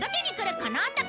この男。